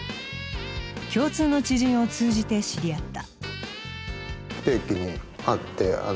共通の知人を通じて知り合った。